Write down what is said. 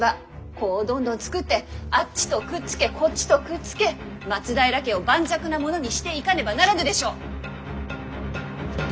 子をどんどん作ってあっちとくっつけこっちとくっつけ松平家を盤石なものにしていかねばならぬでしょう！